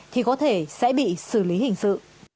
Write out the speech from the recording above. thì có thể sẽ bị xử lý hình sự